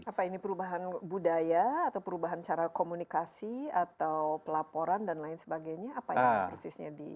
apa ini perubahan budaya atau perubahan cara komunikasi atau pelaporan dan lain sebagainya apa yang persisnya di